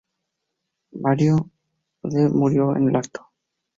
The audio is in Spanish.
Mariano L. murió en el acto.